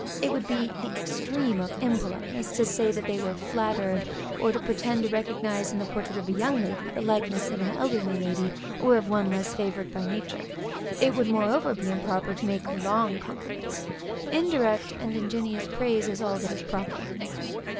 It would be the extreme of impoliteness, to say that they were flattered, or to pretend to recognize in the portrait of a young lady, the likeness of an elderly lady, or of one less favored by nature. It would moreover be improper to make long compliments; indirect, and ingenious praise, is all that is proper.